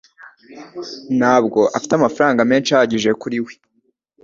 Ntabwo afite amafaranga menshi ahagije kuri we